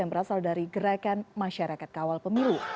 yang berasal dari gerakan masyarakat kawal pemilu